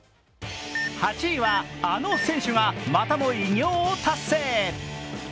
８位はあの選手が、またも偉業を達成。